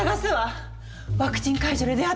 ワクチン会場で出会った彼を。